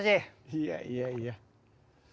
いやいやいや。